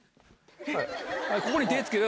はい、ここに手つける。